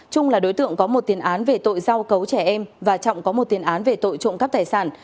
trung là đối tượng có một tiền án về tội giao cấu trẻ em và trọng có một tiền án về tội trộm cắp tài sản